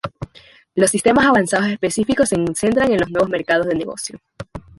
Los sistemas avanzados específicos se centran en los nuevos mercados de negocio.